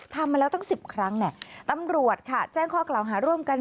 มาแล้วตั้ง๑๐ครั้งตำรวจค่ะแจ้งข้อกล่าวหาร่วมกัน